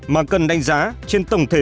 mà cần đánh giá trên tổng thể